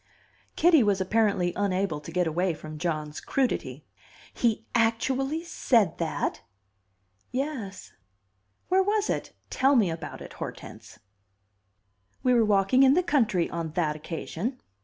Kitty was apparently unable to get away from John's crudity. "He actually said that?" "Yes." "Where was it? Tell me about it, Hortense." "We were walking in the country on that occasion."